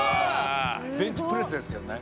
ベンチプレスですけどね。